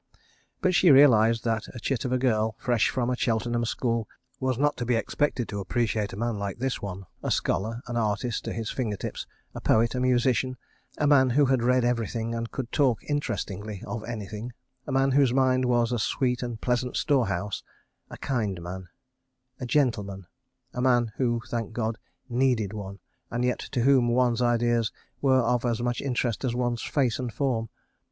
But she realised that a chit of a girl, fresh from a Cheltenham school, was not to be expected to appreciate a man like this one, a scholar, an artist to his finger tips, a poet, a musician, a man who had read everything and could talk interestingly of anything—a man whose mind was a sweet and pleasant storehouse—a kind man, a gentleman, a man who, thank God, needed one, and yet to whom one's ideas were of as much interest as one's face and form.